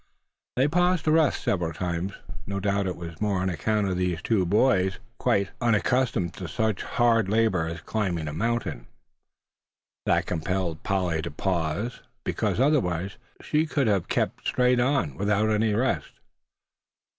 They paused to rest several times. No doubt it was more on account of these two boys, quite unaccustomed to such harsh labor as climbing a mountain, that compelled Polly to pause; because otherwise, she could have kept straight on, without any rest.